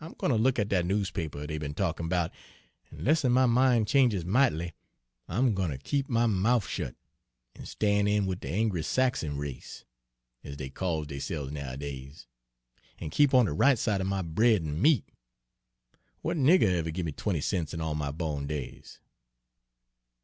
I'm gwine ter look at dat newspaper dey be'n talkin' 'bout, an' 'less'n my min' changes might'ly, I'm gwine ter keep my mouf shet an' stan' in wid de Angry Saxon race, ez dey calls deyse'ves nowadays, an' keep on de right side er my bread an' meat. Wat nigger ever give me twenty cents in all my bawn days?"